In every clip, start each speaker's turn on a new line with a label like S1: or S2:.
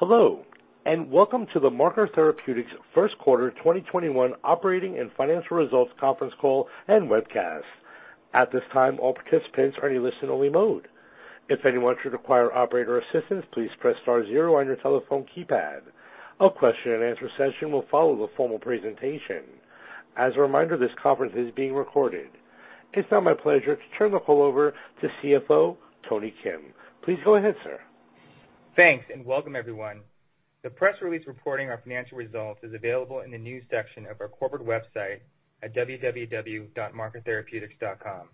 S1: Hello, and welcome to the Marker Therapeutics first quarter 2021 operating and financial results conference call and webcast. At this time, all participants are in listen-only mode. If anyone should require operator assistance, please press star zero on your telephone keypad. A question and answer session will follow the formal presentation. As a reminder, this conference is being recorded. It's now my pleasure to turn the call over to CFO, Tony Kim. Please go ahead, sir.
S2: Thanks, and welcome everyone. The press release reporting our financial results is available in the news section of our corporate website at www.markertherapeutics.com.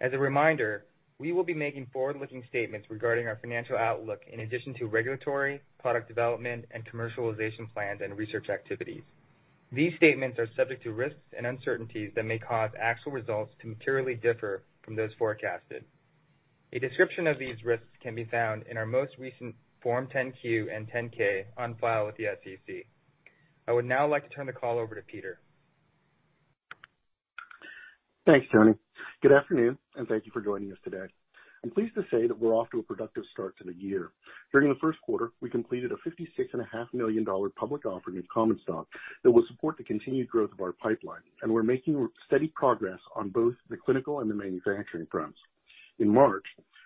S2: As a reminder, we will be making forward-looking statements regarding our financial outlook in addition to regulatory, product development, and commercialization plans and research activities. These statements are subject to risks and uncertainties that may cause actual results to materially differ from those forecasted. A description of these risks can be found in our most recent Form 10-Q and 10-K on file with the SEC. I would now like to turn the call over to Peter.
S3: Thanks, Tony. Good afternoon, thank you for joining us today. I'm pleased to say that we're off to a productive start to the year. During the first quarter, we completed a $56.5 million public offering of common stock that will support the continued growth of our pipeline, and we're making steady progress on both the clinical and the manufacturing fronts. In March,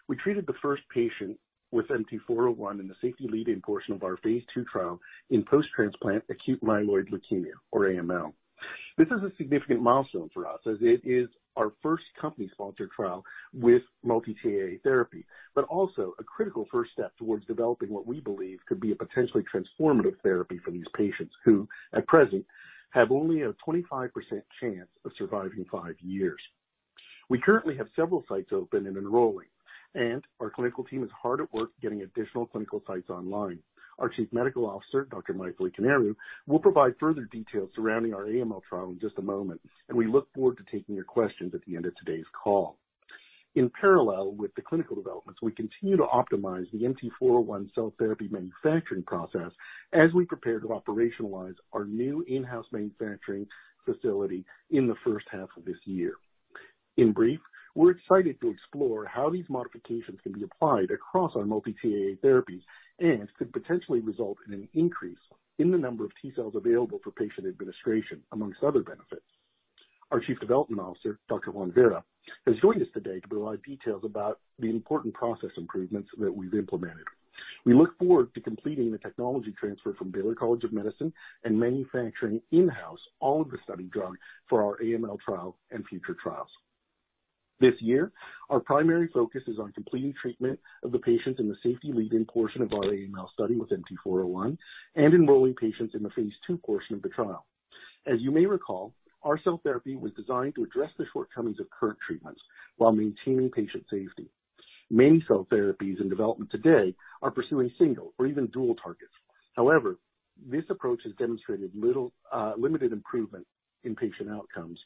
S3: we treated the first patient with MT-401 in the safety lead-in portion of our phase II trial in post-transplant acute myeloid leukemia, or AML. This is a significant milestone for us as it is our first company-sponsored trial with multi-TAA therapy, but also a critical first step towards developing what we believe could be a potentially transformative therapy for these patients who, at present, have only a 25% chance of surviving five years. We currently have several sites open and enrolling. Our clinical team is hard at work getting additional clinical sites online. Our Chief Medical Officer, Dr. Mythili Koneru, will provide further details surrounding our AML trial in just a moment. We look forward to taking your questions at the end of today's call. In parallel with the clinical developments, we continue to optimize the MT-401 cell therapy manufacturing process as we prepare to operationalize our new in-house manufacturing facility in the first half of this year. In brief, we're excited to explore how these modifications can be applied across our multi-TAA therapies and could potentially result in an increase in the number of T-Cells available for patient administration, amongst other benefits. Our Chief Development Officer, Dr. Juan Vera, has joined us today to provide details about the important process improvements that we've implemented. We look forward to completing the technology transfer from Baylor College of Medicine and manufacturing in-house all of the study drug for our AML trial and future trials. This year, our primary focus is on completing treatment of the patients in the safety lead-in portion of our AML study with MT-401 and enrolling patients in the phase II portion of the trial. As you may recall, our cell therapy was designed to address the shortcomings of current treatments while maintaining patient safety. Many cell therapies in development today are pursuing single or even dual targets. However, this approach has demonstrated limited improvement in patient outcomes.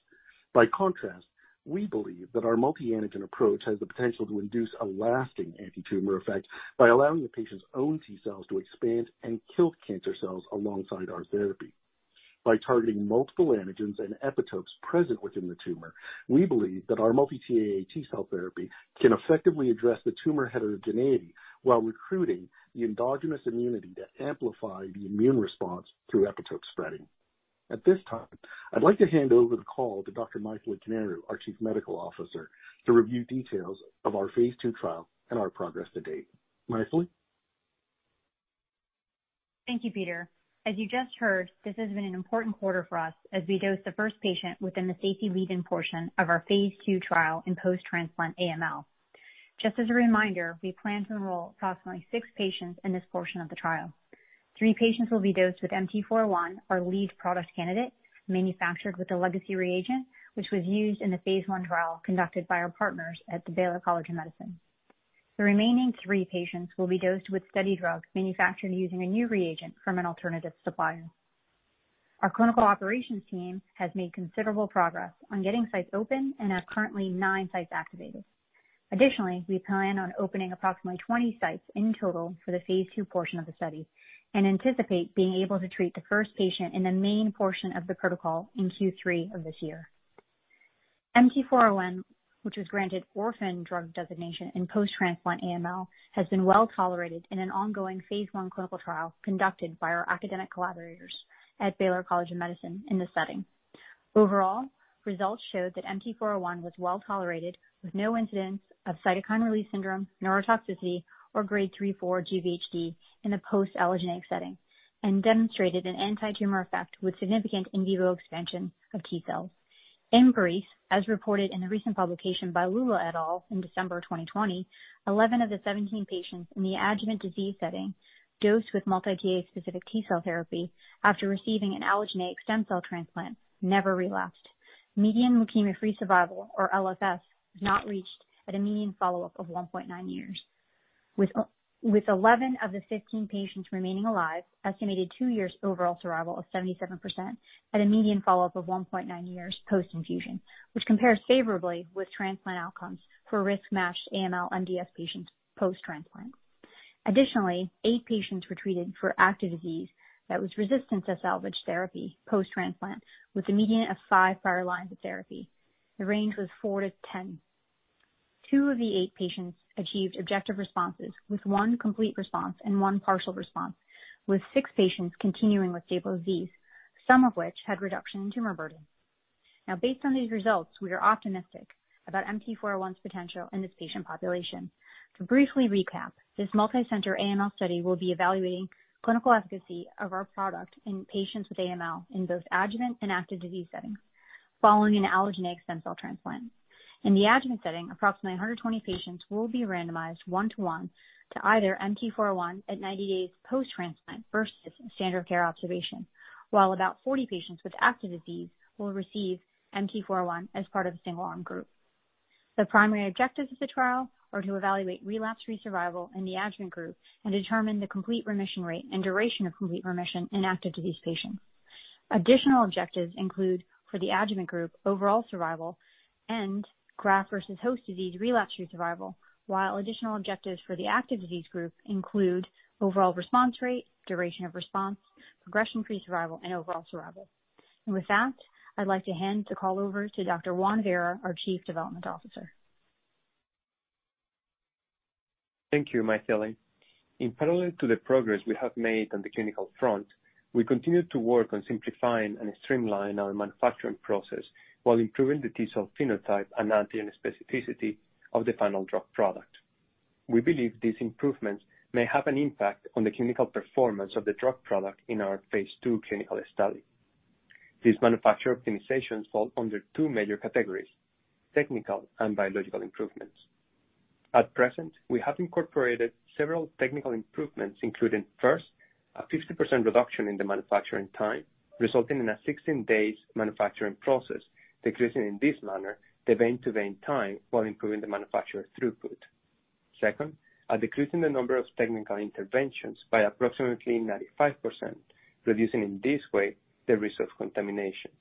S3: By contrast, we believe that our multi-antigen approach has the potential to induce a lasting anti-tumor effect by allowing the patient's own T-Cells to expand and kill cancer cells alongside our therapy. By targeting multiple antigens and epitopes present within the tumor, we believe that our multi-TAA T-Cell therapy can effectively address the tumor heterogeneity while recruiting the endogenous immunity to amplify the immune response through epitope spreading. At this time, I'd like to hand over the call to Dr. Mythili Koneru, our Chief Medical Officer, to review details of our phase II trial and our progress to date. Mythili?
S4: Thank you, Peter. As you just heard, this has been an important quarter for us as we dosed the first patient within the safety lead-in portion of our phase II trial in post-transplant AML. Just as a reminder, we plan to enroll approximately six patients in this portion of the trial. Three patients will be dosed with MT-401, our lead product candidate, manufactured with a legacy reagent, which was used in the phase I trial conducted by our partners at the Baylor College of Medicine. The remaining three patients will be dosed with study drug manufactured using a new reagent from an alternative supplier. Our clinical operations team has made considerable progress on getting sites open and have currently nine sites activated. Additionally, we plan on opening approximately 20 sites in total for the phase II portion of the study and anticipate being able to treat the first patient in the main portion of the protocol in Q3 of this year. MT-401, which was granted Orphan Drug Designation in post-transplant AML, has been well-tolerated in an ongoing phase I clinical trial conducted by our academic collaborators at Baylor College of Medicine in this setting. Overall, results showed that MT-401 was well-tolerated with no incidents of cytokine release syndrome, neurotoxicity, or grade 3/4 GvHD in the post-allogeneic setting and demonstrated an anti-tumor effect with significant in vivo expansion of T-Cells. In brief, as reported in the recent publication by Lulla et al in December 2020, 11 of the 17 patients in the adjuvant disease setting dosed with multi-TAA-specific T-Cell therapy after receiving an allogeneic stem cell transplant never relapsed. Median leukemia-free survival, or LFS, was not reached at a median follow-up of 1.9 years. With 11 of the 15 patients remaining alive, estimated two years overall survival of 77% at a median follow-up of 1.9 years post-infusion, which compares favorably with transplant outcomes for risk-matched AML/MDS patients post-transplant. Additionally, eight patients were treated for active disease that was resistant to salvage therapy post-transplant, with a median of five prior lines of therapy. The range was 4-10. Two of the eight patients achieved objective responses, with one complete response and one partial response, with six patients continuing with stable disease, some of which had reduction in tumor burden. Based on these results, we are optimistic about MT-401's potential in this patient population. To briefly recap, this multi-center AML study will be evaluating clinical efficacy of our product in patients with AML in both adjuvant and active disease settings following an allogeneic stem cell transplant. In the adjuvant setting, approximately 120 patients will be randomized one-to-one to either MT-401 at 90 days post-transplant versus standard care observation. While about 40 patients with active disease will receive MT-401 as part of the single-arm group. The primary objectives of the trial are to evaluate relapse-free survival in the adjuvant group and determine the complete remission rate and duration of complete remission in active disease patients. Additional objectives include, for the adjuvant group, overall survival and graft-versus-host disease relapse-free survival, while additional objectives for the active disease group include overall response rate, duration of response, progression-free survival, and overall survival. With that, I'd like to hand the call over to Dr. Juan Vera, our Chief Development Officer.
S5: Thank you, Mythili. In parallel to the progress we have made on the clinical front, we continue to work on simplifying and streamlining our manufacturing process while improving the T-Cell phenotype and antigen specificity of the final drug product. We believe these improvements may have an impact on the clinical performance of the drug product in our phase II clinical study. These manufacture optimizations fall under two major categories, technical and biological improvements. At present, we have incorporated several technical improvements, including first, a 50% reduction in the manufacturing time, resulting in a 16 day manufacturing process, decreasing in this manner the vein-to-vein time while improving the manufacturer throughput. Second, a decrease in the number of technical interventions by approximately 95%, reducing in this way the risk of contaminations.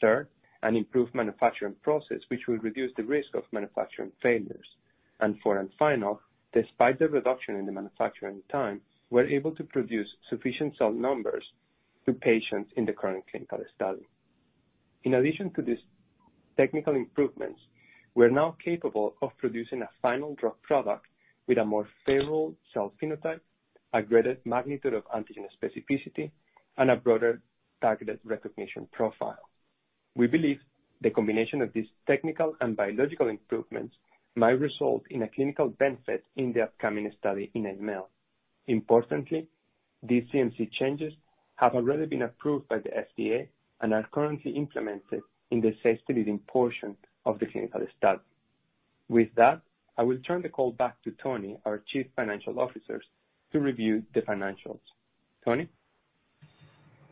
S5: Third, an improved manufacturing process which will reduce the risk of manufacturing failures. Fourth and final, despite the reduction in the manufacturing time, we're able to produce sufficient cell numbers to patients in the current clinical study. In addition to these technical improvements, we're now capable of producing a final drug product with a more favorable cell phenotype, a greater magnitude of antigen specificity, and a broader targeted recognition profile. We believe the combination of these technical and biological improvements might result in a clinical benefit in the upcoming study in AML. Importantly, these CMC changes have already been approved by the FDA and are currently implemented in the safety leading portion of the clinical study. With that, I will turn the call back to Tony, our Chief Financial Officer, to review the financials. Tony?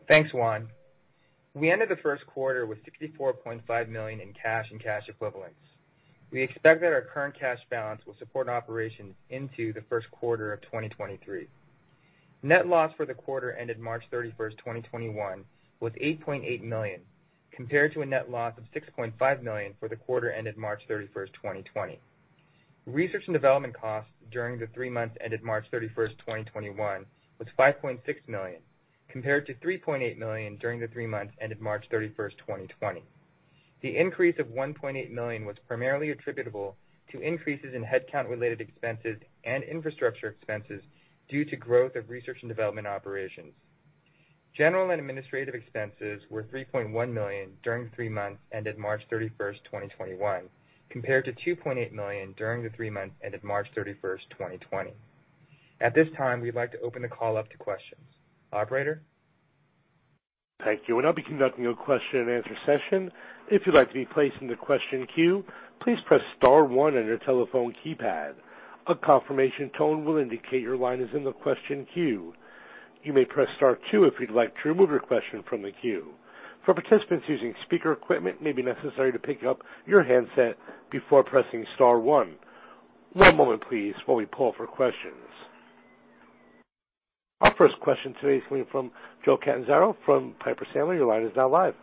S2: Thanks, Juan. We ended the first quarter with $64.5 million in cash and cash equivalents. We expect that our current cash balance will support operations into the first quarter of 2023. Net loss for the quarter ended March 31st, 2021 was $8.8 million, compared to a net loss of $6.5 million for the quarter ended March 31st, 2020. Research and development costs during the three months ended March 31st, 2021 was $5.6 million, compared to $3.8 million during the three months ended March 31st, 2020. The increase of $1.8 million was primarily attributable to increases in headcount-related expenses and infrastructure expenses due to growth of research and development operations. General and administrative expenses were $3.1 million during the three months ended March 31st, 2021, compared to $2.8 million during the three months ended March 31st, 2020. At this time, we'd like to open the call up to questions. Operator?
S1: Thank you. We'll now be conducting a question and answer session. If you'd like to be placed in the question queue, please press star one on your telephone keypad. A confirmation tone will indicate your line is in the question queue. You may press star two if you'd like to remove your question from the queue. For participants using speaker equipment, it may be necessary to pick up your handset before pressing star one. One moment please, while we poll for questions. Our first question today is coming from Joe Catanzaro from Piper Sandler. Your line is now live.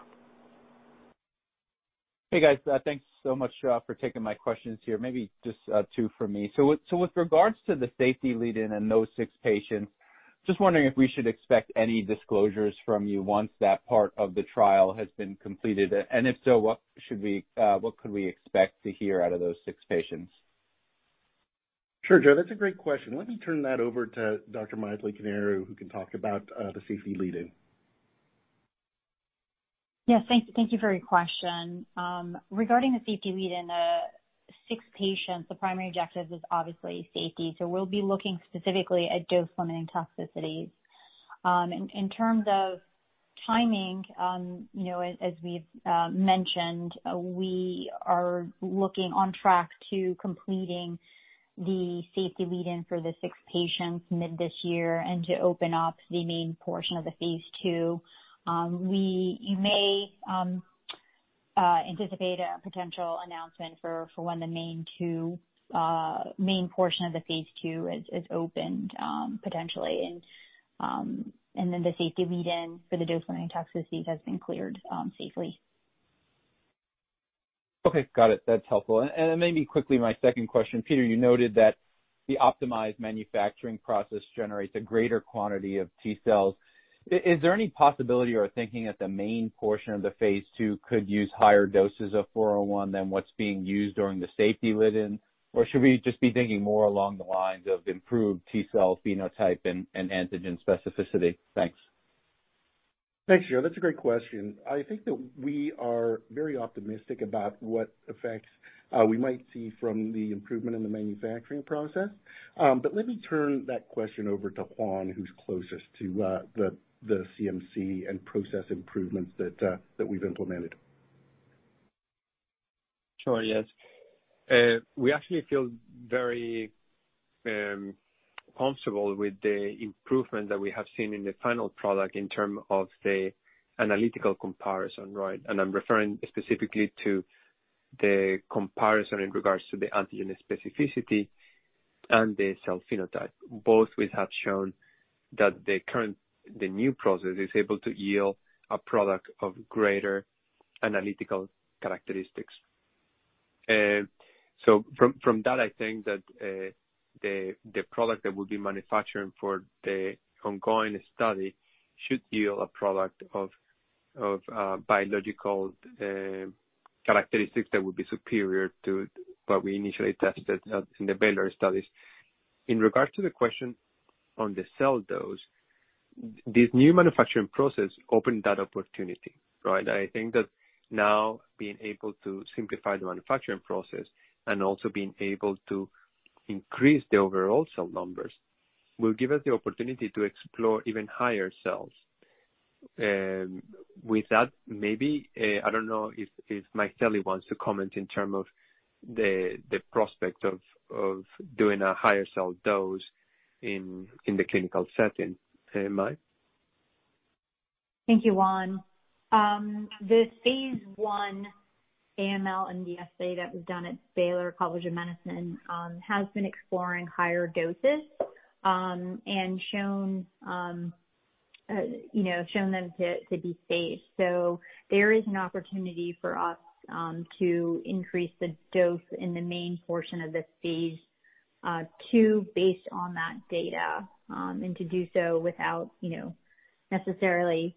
S6: Hey, guys. Thanks so much for taking my questions here. Maybe just two from me. With regards to the safety lead-in and those six patients, just wondering if we should expect any disclosures from you once that part of the trial has been completed, and if so, what could we expect to hear out of those six patients?
S3: Sure, Joe. That's a great question. Let me turn that over to Dr. Mythili Koneru, who can talk about the safety lead-in.
S4: Thank you for your question. Regarding the safety lead-in, six patients, the primary objective is obviously safety. We'll be looking specifically at dose-limiting toxicities. In terms of timing, as we've mentioned, we are looking on track to completing the safety lead-in for the six patients mid this year and to open up the main portion of the phase II. You may anticipate a potential announcement for when the main portion of the phase II is opened, potentially, and then the safety lead-in for the dose-limiting toxicity has been cleared safely.
S6: Okay, got it. That's helpful. Maybe quickly my second question. Peter, you noted that the optimized manufacturing process generates a greater quantity of T-Cells. Is there any possibility or thinking that the main portion of the phase II could use higher doses of 401 than what's being used during the safety lead-in? Should we just be thinking more along the lines of improved T-Cell phenotype and antigen specificity? Thanks.
S3: Thanks, Joe. That's a great question. I think that we are very optimistic about what effects we might see from the improvement in the manufacturing process. Let me turn that question over to Juan, who's closest to the CMC and process improvements that we've implemented.
S5: Sure. Yes. We actually feel very comfortable with the improvement that we have seen in the final product in term of the analytical comparison, right? I'm referring specifically to the comparison in regards to the antigen specificity and the cell phenotype. Both which have shown that the new process is able to yield a product of greater analytical characteristics. From that, I think that the product that we'll be manufacturing for the ongoing study should yield a product of biological characteristics that would be superior to what we initially tested in the Baylor studies. In regards to the question on the cell dose, this new manufacturing process opened that opportunity, right? I think that now being able to simplify the manufacturing process and also being able to increase the overall cell numbers, will give us the opportunity to explore even higher cells. With that, maybe, I don't know if Mythili wants to comment in terms of the prospect of doing a higher cell dose in the clinical setting. Hey, Mythili.
S4: Thank you, Juan. The phase I AML IND that was done at Baylor College of Medicine, has been exploring higher doses, and shown them to be safe. There is an opportunity for us to increase the dose in the main portion of this phase II based on that data, and to do so without necessarily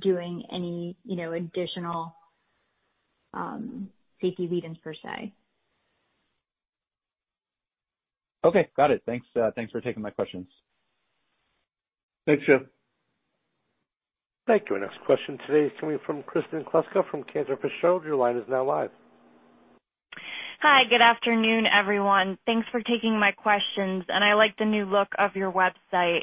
S4: doing any additional safety lead-ins per se.
S6: Okay, got it. Thanks for taking my questions.
S3: Thanks, Joe.
S1: Thank you. Next question today is coming from Kristen Kluska from Cantor Fitzgerald. Your line is now live.
S7: Hi. Good afternoon, everyone. Thanks for taking my questions, and I like the new look of your website.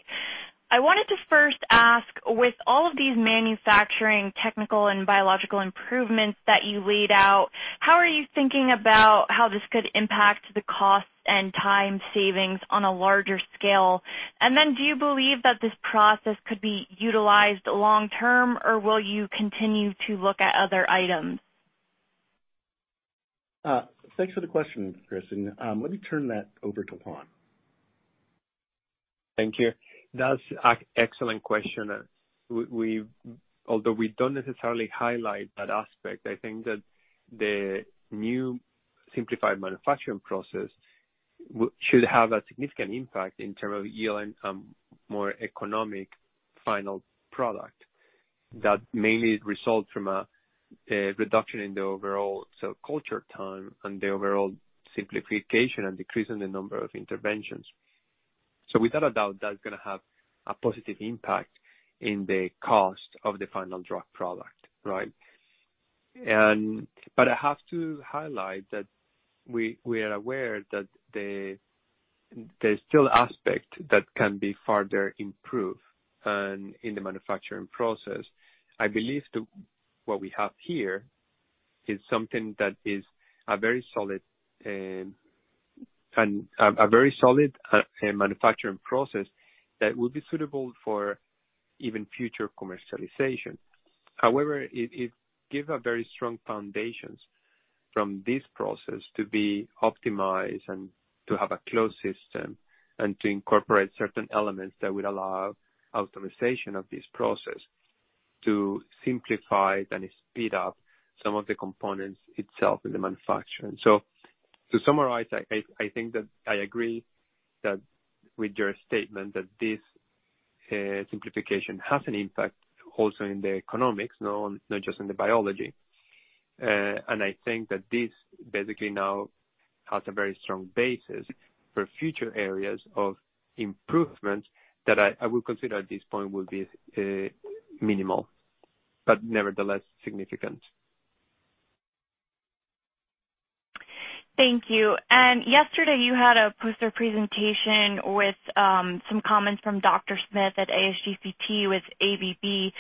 S7: I wanted to first ask, with all of these manufacturing technical and biological improvements that you laid out, how are you thinking about how this could impact the cost and time savings on a larger scale? Do you believe that this process could be utilized long term, or will you continue to look at other items?
S3: Thanks for the question, Kristen. Let me turn that over to Juan.
S5: Thank you. That's an excellent question. Although we don't necessarily highlight that aspect, I think that the new simplified manufacturing process should have a significant impact in terms of yielding a more economic final product that mainly result from a reduction in the overall cell culture time and the overall simplification and decrease in the number of interventions. Without a doubt, that's going to have a positive impact in the cost of the final drug product, right? I have to highlight that we are aware that there's still aspect that can be further improved in the manufacturing process. I believe that what we have here is something that is a very solid manufacturing process that will be suitable for even future commercialization. However, it gives a very strong foundation from this process to be optimized and to have a closed system and to incorporate certain elements that would allow optimization of this process to simplify and speed up some of the components itself in the manufacturing. To summarize, I think that I agree with your statement that this simplification has an impact also in the economics, not just in the biology. I think that this basically now has a very strong basis for future areas of improvement that I will consider at this point will be minimal, but nevertheless significant.
S7: Thank you. Yesterday you had a poster presentation with some comments from Dr. Smith at ASGCT with ABB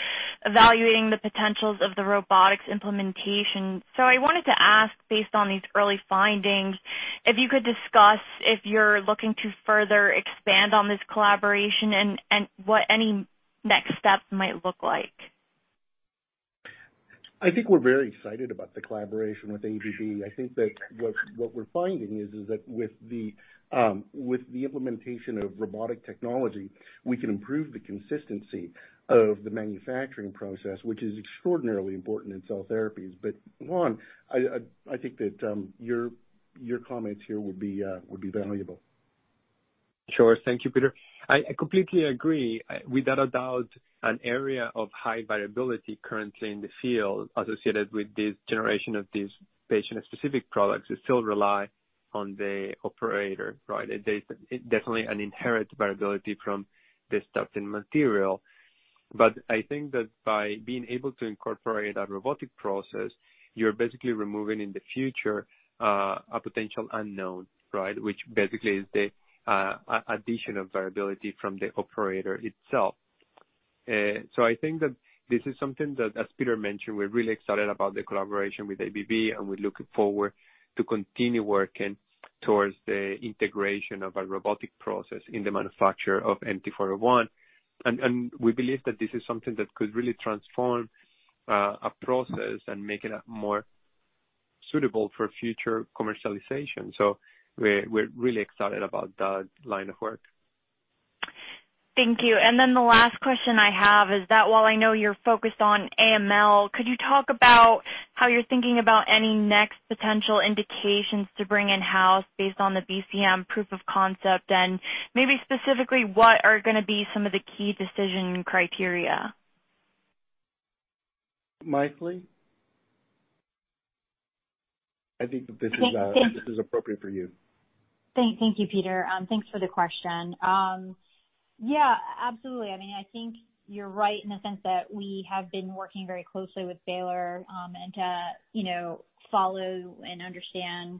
S7: evaluating the potentials of the robotics implementation. I wanted to ask, based on these early findings, if you could discuss if you're looking to further expand on this collaboration and what any next steps might look like.
S3: I think we're very excited about the collaboration with ABB. I think that what we're finding is that with the implementation of robotic technology, we can improve the consistency of the manufacturing process, which is extraordinarily important in cell therapies. Juan, I think that your comments here would be valuable.
S5: Sure. Thank you, Peter. I completely agree. Without a doubt, an area of high variability currently in the field associated with this generation of these patient-specific products still rely on the operator, right? There's definitely an inherent variability from the substance material. I think that by being able to incorporate a robotic process, you're basically removing, in the future, a potential unknown, right? Which basically is the additional variability from the operator itself. I think that this is something that, as Peter mentioned, we're really excited about the collaboration with ABB, and we're looking forward to continue working towards the integration of a robotic process in the manufacture of MT-401. We believe that this is something that could really transform a process and make it more suitable for future commercialization. We're really excited about that line of work.
S7: Thank you. The last question I have is that while I know you're focused on AML, could you talk about how you're thinking about any next potential indications to bring in-house based on the BCM proof of concept, and maybe specifically, what are going to be some of the key decision criteria?
S3: Mythili? I think that this is appropriate for you.
S4: Thank you, Peter. Thanks for the question. Absolutely. I think you're right in the sense that we have been working very closely with Baylor and to follow and understand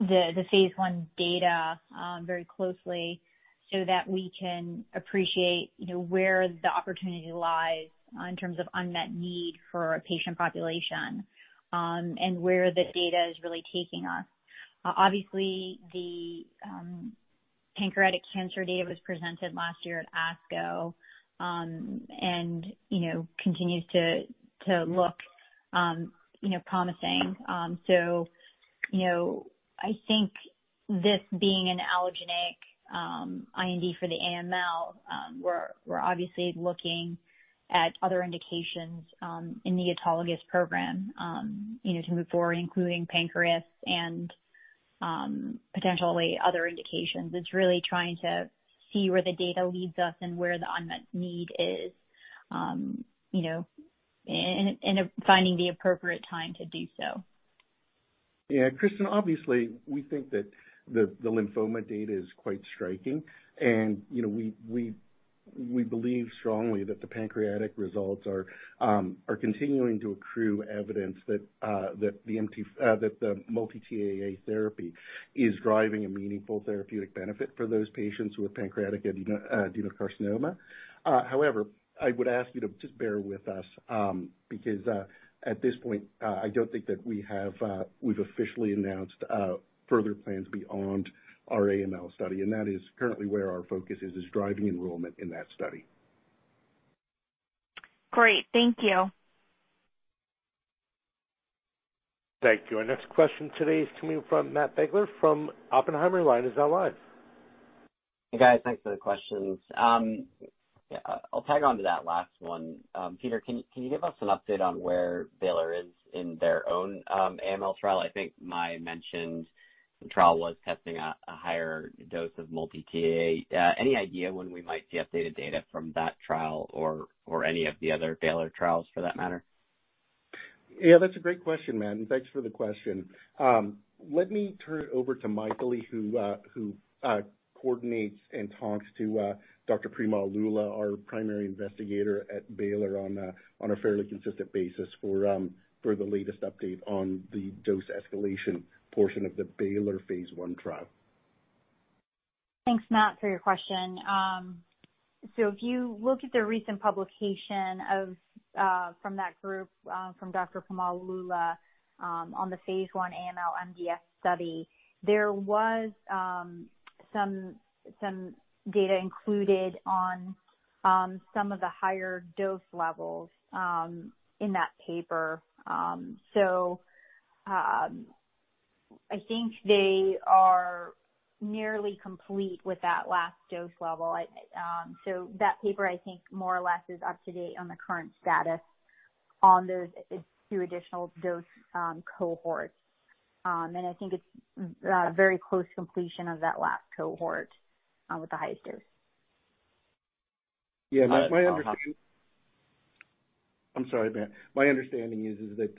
S4: the phase I data very closely so that we can appreciate where the opportunity lies in terms of unmet need for a patient population and where the data is really taking us. Obviously, the pancreatic cancer data was presented last year at ASCO, and continues to look promising. I think this being an allogeneic IND for the AML, we're obviously looking at other indications in the autologous program to move forward, including pancreas and potentially other indications. It's really trying to see where the data leads us and where the unmet need is, and finding the appropriate time to do so.
S3: Yeah, Kristen, obviously, we think that the lymphoma data is quite striking. We believe strongly that the pancreatic results are continuing to accrue evidence that the multi-TAA therapy is driving a meaningful therapeutic benefit for those patients who have pancreatic adenocarcinoma. However, I would ask you to just bear with us, because at this point, I don't think that we've officially announced further plans beyond our AML study, and that is currently where our focus is driving enrollment in that study.
S7: Great. Thank you.
S1: Thank you. Our next question today is coming from Matt Biegler from Oppenheimer line is now live.
S8: Hey, guys. Thanks for the questions. I'll tag onto that last one. Peter, can you give us an update on where Baylor is in their own AML trial? I think Mike mentioned the trial was testing a higher dose of multi-TAA. Any idea when we might see updated data from that trial or any of the other Baylor trials for that matter?
S3: Yeah, that's a great question, Matt, and thanks for the question. Let me turn it over to Mythili, who coordinates and talks to Dr. Premal Lulla, our primary investigator at Baylor, on a fairly consistent basis for the latest update on the dose escalation portion of the Baylor phase I trial.
S4: Thanks, Matt, for your question. If you look at the recent publication from that group from Dr. Premal Lulla on the phase I AML MDS study, there was some data included on some of the higher dose levels in that paper. I think they are nearly complete with that last dose level. That paper, I think, more or less, is up to date on the current status on those two additional dose cohorts. I think it's very close completion of that last cohort with the highest dose.
S8: Yeah, Mythili.
S3: I'm sorry, Matt. My understanding is that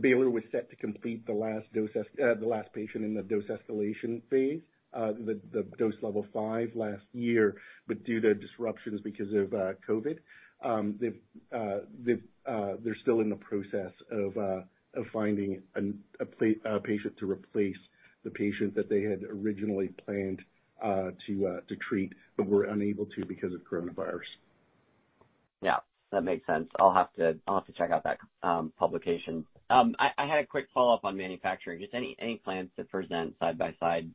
S3: Baylor College of Medicine was set to complete the last patient in the dose escalation phase, the dose level five last year, but due to disruptions because of COVID, they're still in the process of finding a patient to replace the patient that they had originally planned to treat but were unable to because of coronavirus.
S8: Yeah, that makes sense. I'll have to check out that publication. I had a quick follow-up on manufacturing. Just any plans to present side-by-side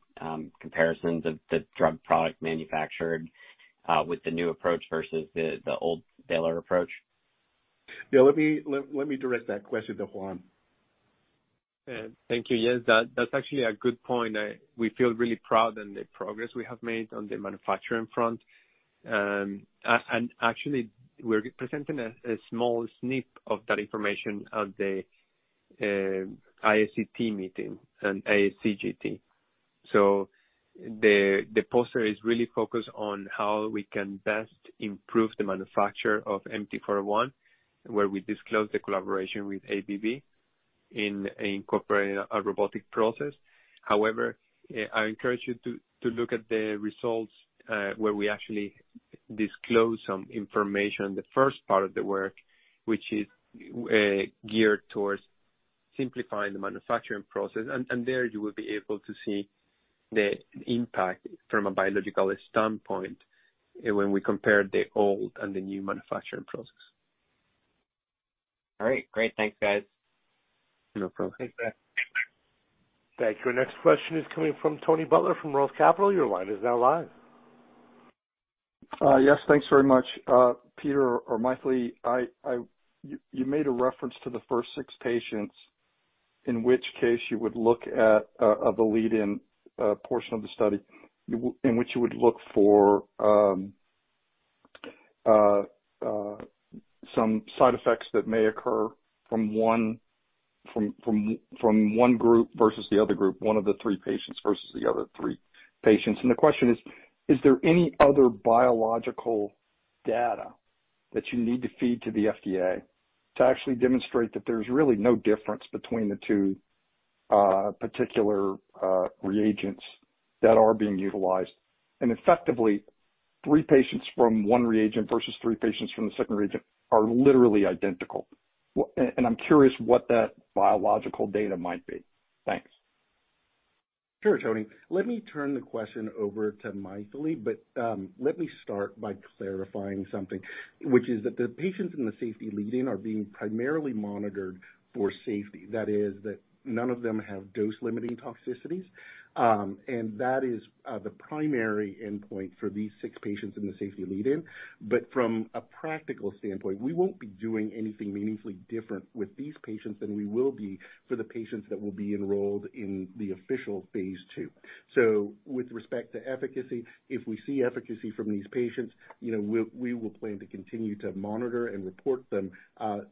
S8: comparisons of the drug product manufactured with the new approach versus the old Baylor approach?
S3: Yeah, let me direct that question to Juan.
S5: Thank you. That's actually a good point. We feel really proud in the progress we have made on the manufacturing front. Actually, we're presenting a small snip of that information at the ISCT meeting and ASGCT. The poster is really focused on how we can best improve the manufacture of MT-401, where we disclose the collaboration with ABB in incorporating a robotic process. However, I encourage you to look at the results, where we actually disclose some information. The first part of the work, which is geared towards simplifying the manufacturing process. There you will be able to see the impact from a biological standpoint when we compare the old and the new manufacturing process.
S8: All right. Great. Thanks, guys.
S5: No problem.
S3: Thanks, Matt.
S1: Thank you. Our next question is coming from Tony Butler from Roth Capital. Your line is now live.
S9: Yes. Thanks very much. Peter or Mythili, you made a reference to the first six patients, in which case you would look at the lead-in portion of the study, in which you would look for some side effects that may occur from one group versus the other group, one of the three patients versus the other three patients. The question is: Is there any other biological data that you need to feed to the FDA to actually demonstrate that there's really no difference between the two particular reagents that are being utilized, and effectively three patients from one reagent versus three patients from the second reagent are literally identical? I'm curious what that biological data might be. Thanks.
S3: Sure, Tony. Let me turn the question over to Mythili. Let me start by clarifying something, which is that the patients in the safety lead-in are being primarily monitored for safety. That is, that none of them have dose-limiting toxicities. That is the primary endpoint for these six patients in the safety lead-in. From a practical standpoint, we won't be doing anything meaningfully different with these patients than we will be for the patients that will be enrolled in the official phase II. With respect to efficacy, if we see efficacy from these patients, we will plan to continue to monitor and report them,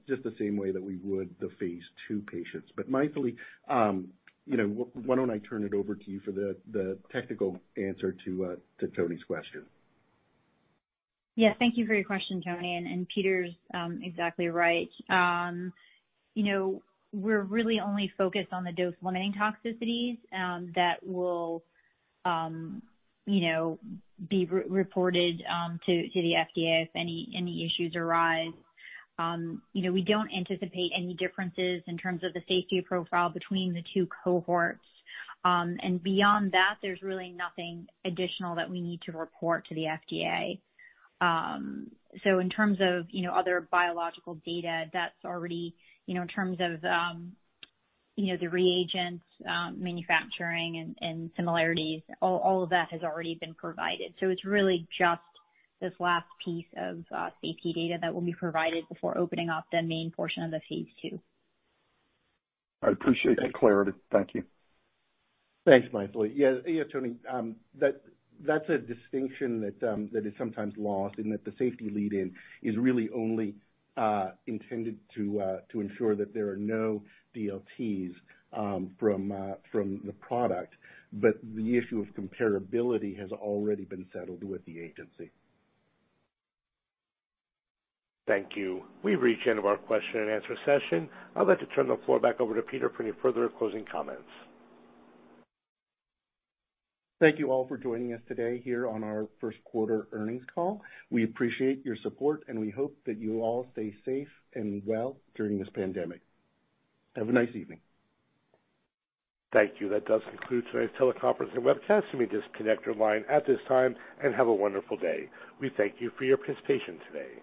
S3: just the same way that we would the phase II patients. Mythili, why don't I turn it over to you for the technical answer to Tony's question?
S4: Yeah. Thank you for your question, Tony. Peter's exactly right. We're really only focused on the dose-limiting toxicities that will be reported to the FDA if any issues arise. We don't anticipate any differences in terms of the safety profile between the two cohorts. Beyond that, there's really nothing additional that we need to report to the FDA. In terms of other biological data, in terms of the reagents, manufacturing, and similarities, all of that has already been provided. It's really just this last piece of safety data that will be provided before opening up the main portion of the phase II.
S9: I appreciate the clarity. Thank you.
S3: Thanks, Mythili. Yeah, Tony Butler, that's a distinction that is sometimes lost in that the safety lead-in is really only intended to ensure that there are no DLTs from the product. The issue of comparability has already been settled with the agency.
S1: Thank you. We've reached the end of our question and answer session. I'd like to turn the floor back over to Peter for any further closing comments.
S3: Thank you all for joining us today here on our first quarter earnings call. We appreciate your support, and we hope that you all stay safe and well during this pandemic. Have a nice evening.
S1: Thank you. That does conclude today's teleconference and webcast. You may disconnect your line at this time, and have a wonderful day. We thank you for your participation today.